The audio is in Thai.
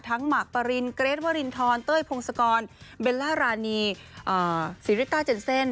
หมากปรินเกรทวรินทรเต้ยพงศกรเบลล่ารานีซีริต้าเจนเซ่น